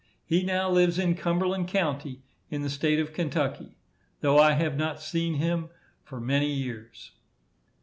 He now lives in Cumberland county, in the state of Kentucky, though I have not seen him for many years.